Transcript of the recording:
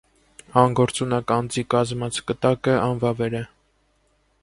Անգործունակ անձի կազմած կտակը անվավեր է։